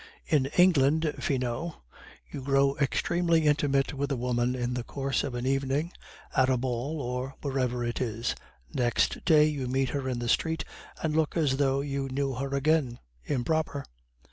"In England, Finot, you grow extremely intimate with a woman in the course of an evening, at a ball or wherever it is; next day you meet her in the street and look as though you knew her again 'improper.